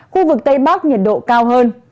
khu vực tây bắc nhiệt độ cao hơn